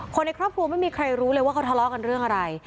ในครอบครัวไม่มีใครรู้เลยว่าเขาทะเลาะกันเรื่องอะไร